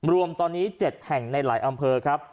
รวมตอนนี้๗แห่งในหลายอำเภอครับ